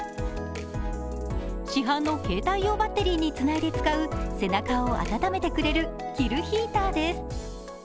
市販の携帯用バッテリーにつないで使う、背中を温めてくれる着るヒーターです。